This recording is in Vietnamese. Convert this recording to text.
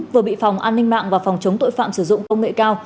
vừa bị phòng an ninh mạng và phòng chống tội phạm sử dụng công nghệ cao